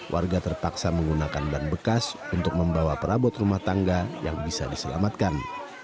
warga terpaksa menggunakan ban bekas untuk membawa perabot rumah tangga yang bisa diselamatkan